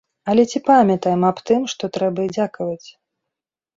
Але ці памятаем аб тым, што трэба і дзякаваць?